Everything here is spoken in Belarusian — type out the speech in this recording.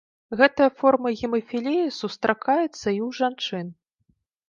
Гэтая форма гемафіліі сустракаецца і ў жанчын.